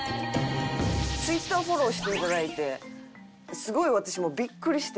Ｔｗｉｔｔｅｒフォローして頂いてすごい私もビックリして。